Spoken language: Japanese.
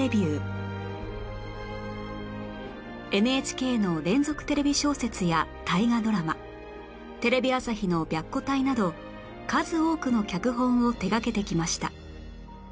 ＮＨＫ の連続テレビ小説や大河ドラマテレビ朝日の『白虎隊』など数多くの脚本を手がけてきました